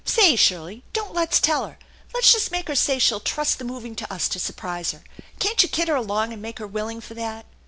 Say, Shirley, don't let's tell her ! Let's just make her Say she'll trust the moving to us to surprise her. Can't you kid her along and make her willing for that?"